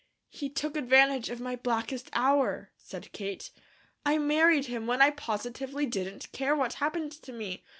"He took advantage of my blackest hour," said Kate. "I married him when I positively didn't care what happened to me.